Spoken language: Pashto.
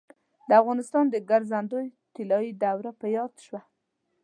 د افغانستان د ګرځندوی طلایي دوره په یاد شوه.